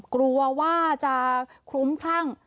กลัวว่าจะคลุ้มคลั่ง